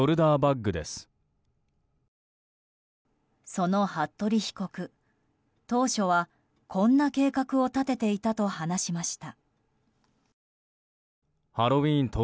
その服部被告、当初はこんな計画を立てていたと話しました。